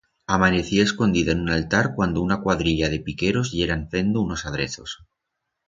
Amanecié escondida en un altar cuando una cuadrilla de piqueros yeran fendo unos adrezos.